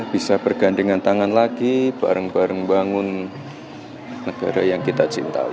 bisa bergandengan tangan lagi bareng bareng membangun negara yang kita cintai